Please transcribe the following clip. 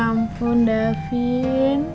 ya ampun davin